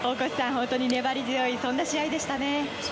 本当に粘り強い試合でしたね。